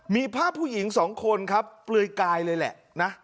มีภาพผู้หญิงสองคนครับเปลือยกายเลยแหละนะ